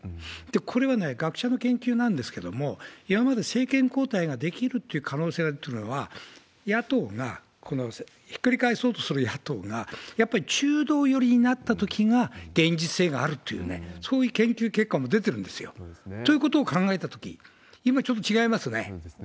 これはね、学者の研究なんですけれども、今まで政権交代ができるっていう可能性っていうのは、野党が、ひっくり返そうとする野党が、やっぱり中道寄りになったときが現実性があるというね、そういう研究結果も出てるんですよ。ということを考えたとき、今、ちょっと違いますね。